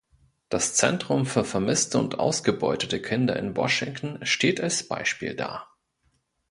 Das Zentrum für Vermisste und Ausgebeutete Kinder in Washington steht als Beispiel da.